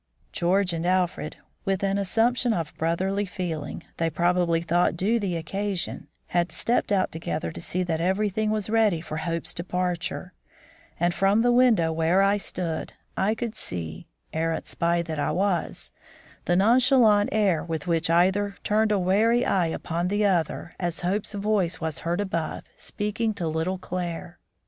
George and Alfred, with an assumption of brotherly feeling they probably thought due the occasion, had stepped out together to see that everything was ready for Hope's departure, and, from the window where I stood, I could see arrant spy that I was the nonchalant air with which either turned a wary eye upon the other as Hope's voice was heard above, speaking to little Claire.